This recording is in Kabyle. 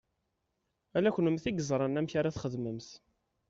Ala kennemti i yeẓṛan amek ara ad txedmemt.